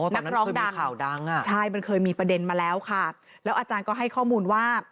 นักร้องดังข่าวดังอ่ะใช่มันเคยมีประเด็นมาแล้วค่ะแล้วอาจารย์ก็ให้ข้อมูลว่า